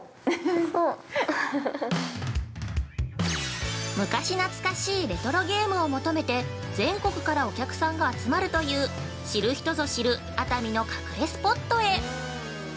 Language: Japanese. ◆昔懐かしいレトロゲームを求めて全国からお客さんが集まるという知る人ぞ知る熱海の隠れスポットへ。